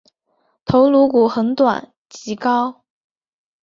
头颅骨很短及高。